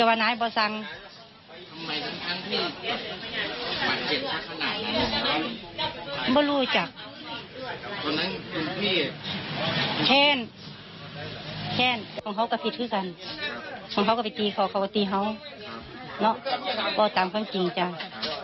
ตอนนั้นคุณพี่แทนแทนของเขาก็ผิดคือกันของเขาก็ไปตีของเขาก็ตีเขาเนาะว่าตามความจริงจัง